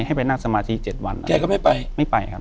ให้ไปนั่งสมาธิ๗วันแกก็ไม่ไปไม่ไปครับ